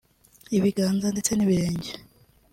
ibiganza ndetse n’ibirenge